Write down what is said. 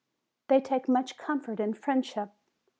They take much comfort in friendship.